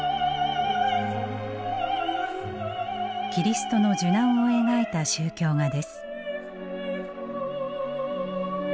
キリストの受難を描いた宗教画です。